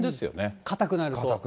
硬くなる。